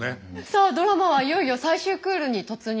さあドラマはいよいよ最終クールに突入します。